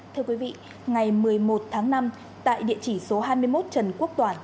thưa quý vị ngày một mươi một tháng năm tại địa chỉ số hai mươi một trần quốc toàn